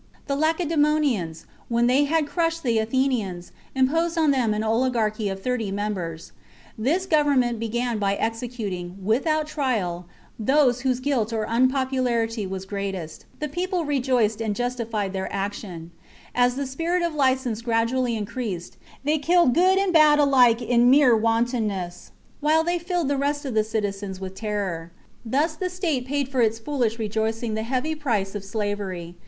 The Lace daemonians, when they had crushed the Athenians, imposed on them an oligarchy of thirty members. This government began by executing, without trial, those whose guilt or unpopularity was greatest •; the people rejoiced, and justified their actiony As the spirit of license gradually increased, they killed good and bad alike in mere wantonness, while they filled the rest of the citizens with terror^ Thus the state paid for its foolish rejoicing the heavy price of slavery.